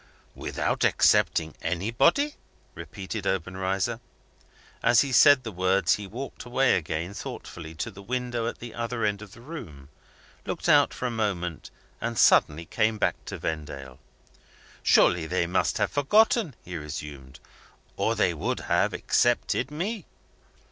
"Without excepting anybody?" repeated Obenreizer. As he said the words, he walked away again, thoughtfully, to the window at the other end of the room, looked out for a moment, and suddenly came back to Vendale. "Surely they must have forgotten?" he resumed, "or they would have excepted me?"